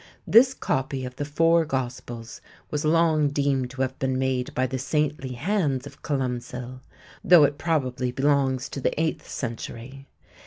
This copy of the four Gospels was long deemed to have been made by the saintly hands of Columcille, though it probably belongs to the eighth century.